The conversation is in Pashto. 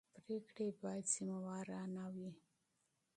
پرېکړې باید مسوولانه وي